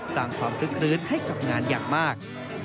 สร้างความคลึกคลื้นให้กับงานอย่างมาก